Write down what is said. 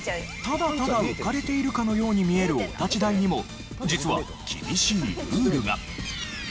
ただただ浮かれているかのように見えるお立ち台にも実は厳しいルールが。